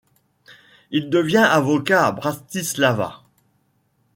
Il devient avocat à Bratislava.